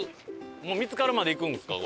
もう見つかるまで行くんですか？